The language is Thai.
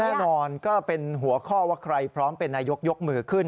แน่นอนก็เป็นหัวข้อว่าใครพร้อมเป็นนายกยกมือขึ้น